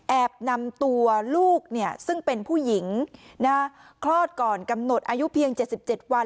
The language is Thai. แอบนำตัวลูกเนี่ยซึ่งเป็นผู้หญิงนะคลอดก่อนกำหนดอายุเพียงเจ็ดสิบเจ็ดวัน